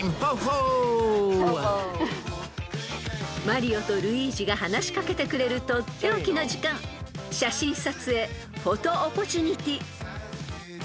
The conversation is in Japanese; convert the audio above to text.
［マリオとルイージが話し掛けてくれるとっておきの時間写真撮影フォト・オポチュニティ］